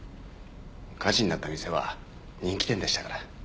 火事になった店は人気店でしたから。